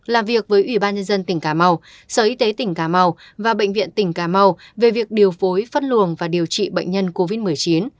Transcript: làm việc với ủy ban nhân dân tỉnh cà mau sở y tế tỉnh cà mau và bệnh viện tỉnh cà mau về việc điều phối phân luồng và điều trị bệnh nhân covid một mươi chín